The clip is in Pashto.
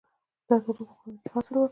زردالو په غرونو کې ښه حاصل ورکوي.